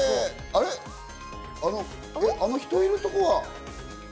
あの、人がいるところは？